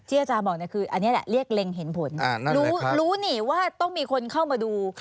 อาจารย์บอกคืออันนี้แหละเรียกเล็งเห็นผลรู้นี่ว่าต้องมีคนเข้ามาดู